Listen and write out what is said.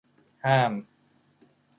ห้าม